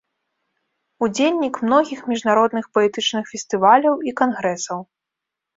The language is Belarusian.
Удзельнік многіх міжнародных паэтычных фестываляў і кангрэсаў.